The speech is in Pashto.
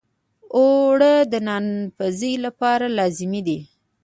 اوړه د نان پزی لپاره لازمي دي